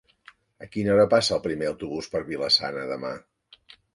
A quina hora passa el primer autobús per Vila-sana demà?